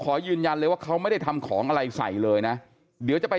ขอยืนยันเลยว่าเขาไม่ได้ทำของอะไรใส่เลยนะเดี๋ยวจะไป